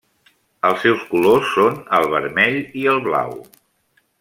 Els seus colors són el vermell i el blau.